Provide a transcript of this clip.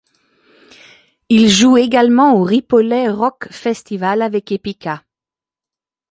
Il joue également au Ripollet Rock Festival avec Epica.